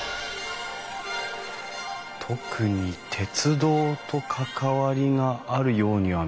特に鉄道と関わりがあるようには見えないけど。